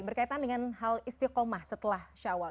berkaitan dengan hal istiqomah setelah syawal